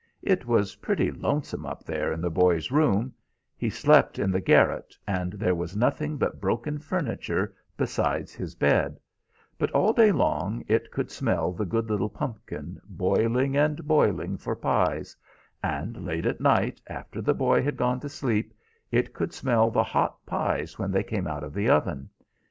It was pretty lonesome up there in the boy's room he slept in the garret, and there was nothing but broken furniture besides his bed; but all day long it could smell the good little pumpkin, boiling and boiling for pies; and late at night, after the boy had gone to sleep, it could smell the hot pies when they came out of the oven.